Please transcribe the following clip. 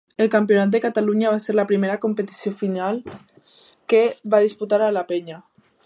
El Campionat de Catalunya va ser la primera competició oficial que va disputar la Penya.